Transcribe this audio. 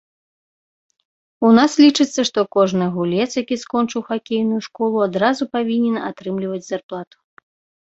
У нас лічыцца, што кожны гулец, які скончыў хакейную школу, адразу павінен атрымліваць зарплату.